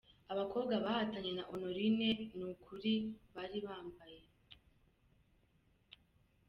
Abakobwa bahatanye na Honorine ni uku bari bambaye